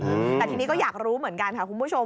แต่ทีนี้ก็อยากรู้เหมือนกันค่ะคุณผู้ชม